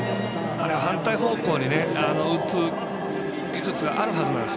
反対方向に打つ技術があるはずなんです。